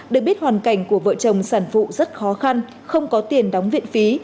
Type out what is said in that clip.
được biết hoàn cảnh của vợ chồng sản phụ rất khó khăn không có tiền đóng viện phí